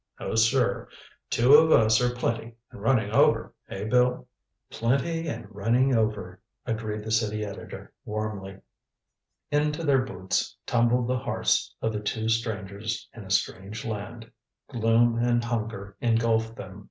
No, sir. Two of us are plenty and running over, eh, Bill?" "Plenty and running over," agreed the city editor warmly. Into their boots tumbled the hearts of the two strangers in a strange land. Gloom and hunger engulfed them.